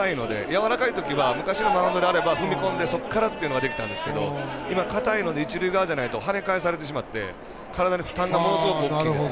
やわらかい昔のマウンドであれば踏み込んでからができたんですが今、硬いので一塁側じゃないので跳ね返されてしまって体に負担がものすごく大きいんです。